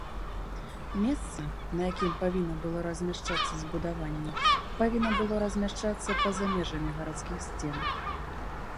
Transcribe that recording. Месца, на якім павінна было размяшчацца збудаванне, павінна было размяшчацца па-за межамі гарадскіх сцен.